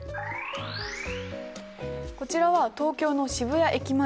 こちらは東京の渋谷駅前。